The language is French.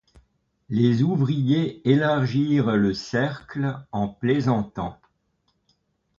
Les ouvriers élargirent le cercle en plaisantant.